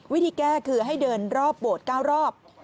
วิธีแก้คือให้เดินรอบโบสถ์๙รอบ